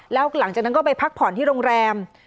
แล้วหลังจากนั้นก็ไปพักผ่อนที่โรงแรม